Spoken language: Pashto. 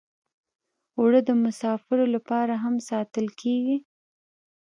اوړه د مسافرو لپاره هم ساتل کېږي